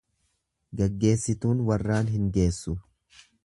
Gaggeessituun warraan hin geessu.